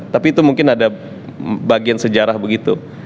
tapi itu mungkin ada bagian sejarah begitu